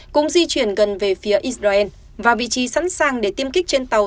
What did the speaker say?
cũng di chuyển gần về phía israel và vị trí sẵn sàng để tiêm kích trên tàu